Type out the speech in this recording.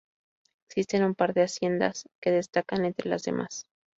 Existen un par de haciendas que destacan entre las demás.